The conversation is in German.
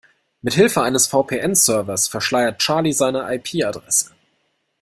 Mithilfe eines VPN-Servers verschleiert Charlie seine IP-Adresse.